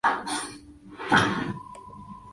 Habita en la India y en Indonesia.